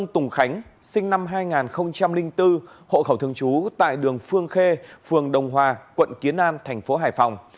tùng khánh sinh năm hai nghìn bốn hộ khẩu thường trú tại đường phương khê phường đồng hòa quận kiến an thành phố hải phòng